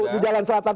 di jalan selatan